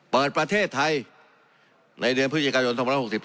เปิดประเทศไทยในเดือนพฤศจิกายน๒๖๔